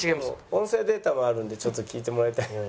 「音声データもあるんでちょっと聞いてもらいたい」。